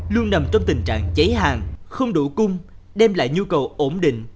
luôn nằm trong tình trạng cháy hàng không đủ cung đem lại nhu cầu ổn định